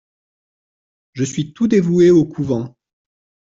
Je suis tout dévoué au couvent.